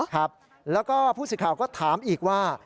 ครับแล้วก็ผู้สื่อข่าวก็ถามอีกว่า